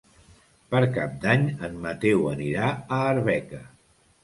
Per Cap d'Any en Mateu anirà a Arbeca.